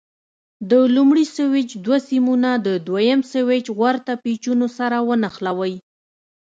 د لومړني سویچ دوه سیمونه د دوه یم سویچ ورته پېچونو سره ونښلوئ.